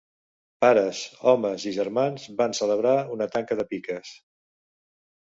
Pares, homes i germans van celebrar una tanca de piques.